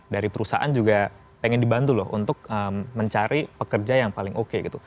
dari perusahaan juga pengen dibantu loh untuk mencari pekerja yang paling oke gitu